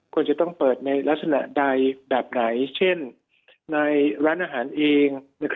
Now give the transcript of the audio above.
ควรจะต้องเปิดในลักษณะใดแบบไหนเช่นในร้านอาหารเอง